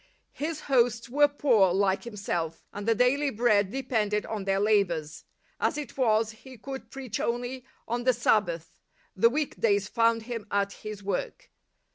His hosts were poor like himself, and the daily bread depended on their labours. As it was, he could preach only on the Sabbath — the week days found him at his work.